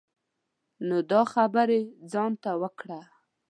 نو دا خبری ځان ته وکړه.